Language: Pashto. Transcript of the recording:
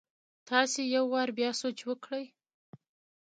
تاسي يو وار بيا سوچ وکړئ!